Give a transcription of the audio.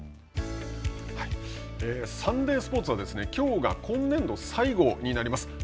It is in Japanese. サンデースポーツはきょうが今年度最後になります。